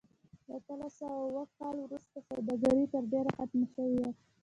له اتلس سوه اووه کال وروسته سوداګري تر ډېره ختمه شوې وه.